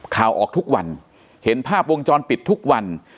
ข่าวออกทุกวันเห็นภาพวงจรปิดทุกวัน